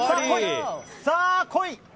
さあ、こい！